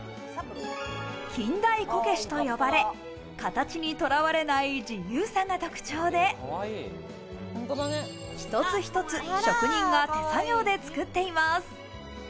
近代こけしと呼ばれ、形にとらわれない自由さが特徴で、一つ一つ職人が手作業で作っています。